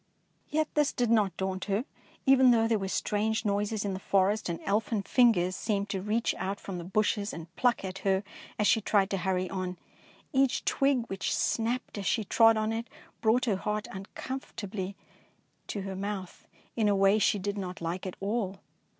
Yet this did not daunt her, even though there were strange noises in the forest and elfin fingers seemed to reach out from the bushes and pluck at her as she tried to hurry on. Each twig which snapped as she trod on it brought her heart uncomfortably to her mouth, in a way she did not like at all.